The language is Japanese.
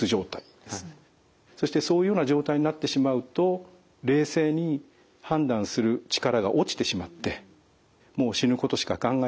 そしてそういうような状態になってしまうと冷静に判断する力が落ちてしまってもう死ぬことしか考えられなくなる。